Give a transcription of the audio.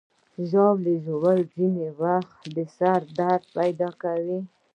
ژاوله ژوول ځینې وخت د سر درد پیدا کوي.